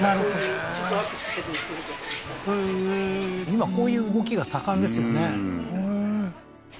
今こういう動きが盛んですよね